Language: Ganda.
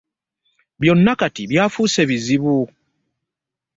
Byonna kati byafuuse bizibu.